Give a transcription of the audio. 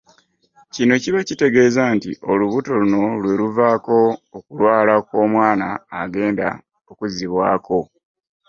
Kino kiba kitegeeza nti olubuto luno lwe luvaako okulwala kw’omwana agenda okuzzibwako.